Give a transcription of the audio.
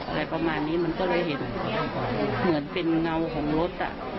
อะไรประมาณนี้มันก็เลยเห็นเหมือนเป็นเงาของรถอ่ะ